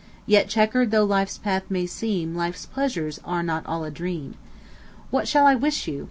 Yet, checkered though life's path may seem, Life's pleasures are not all a dream. What shall I wish you?